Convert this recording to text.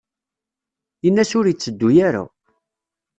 Ini-as ur yetteddu ara.